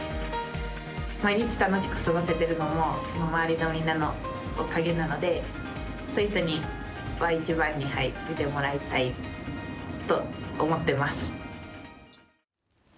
毎日、楽しく過ごせているのも周りのみんなのおかげなのでそういった人に一番に見てもらいたいと思ってます。